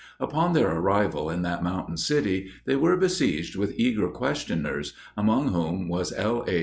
Upon their arrival in that mountain city, they were besieged with eager questioners, among whom was L. A.